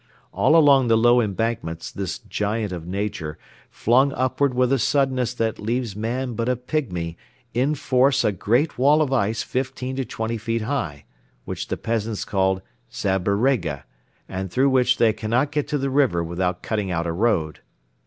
All along the low embankments this giant of nature flung upward with a suddenness that leaves man but a pigmy in force a great wall of ice fifteen to twenty feet high, which the peasants call "Zaberega" and through which they cannot get to the river without cutting out a road.